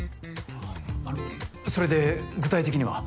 あぁあのそれで具体的には？